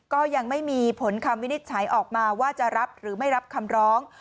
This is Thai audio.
ก็ยังไม่มีผลคำวินิจฉัยออกมาว่าจะรับหรือไม่รับคำร้อง